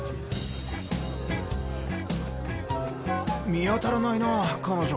見当たらないな彼女。